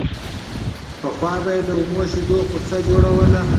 پخوا به يې له اومو شيدو پوڅه جوړوله